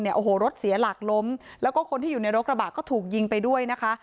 โอ้โหรถเสียหลักล้มแล้วก็คนที่อยู่ในรถกระบะก็ถูกยิงไปด้วยนะคะ